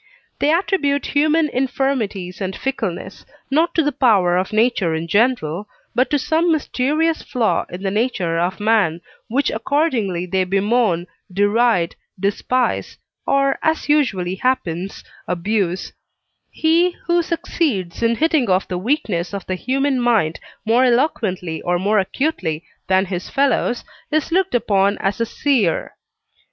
They attribute human infirmities and fickleness, not to the power of nature in general, but to some mysterious flaw in the nature of man, which accordingly they bemoan, deride, despise, or, as usually happens, abuse: he, who succeeds in hitting off the weakness of the human mind more eloquently or more acutely than his fellows, is looked upon as a seer.